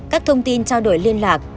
các thông tin trao đổi liên lạc